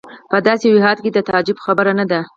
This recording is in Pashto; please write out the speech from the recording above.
په داسې یو هېواد کې د تعجب خبره نه ده.